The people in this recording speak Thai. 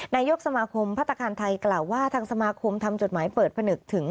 นายกสมาคมพัฒนาคารไทยกล่าวว่าทางสมาคมทำจดหมายเปิดผนึกถึง